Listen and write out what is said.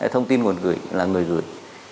thông tin nguồn gửi là người gửi